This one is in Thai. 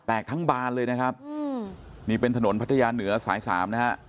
ทั้งบานเลยนะครับนี่เป็นถนนพัทยาเหนือสายสามนะฮะ